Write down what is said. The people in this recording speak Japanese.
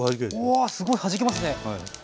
うわすごいはじけますね！